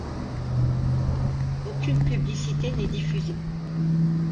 Aucune publicité n'est diffusée.